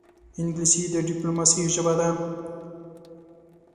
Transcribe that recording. انګلیسي د ډیپلوماسې ژبه ده